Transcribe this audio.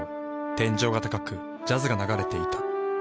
天井が高くジャズが流れていた。